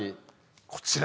こちら。